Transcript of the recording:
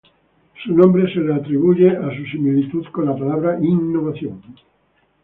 Su nombre se le atribuye a su similitud con la palabra innovación.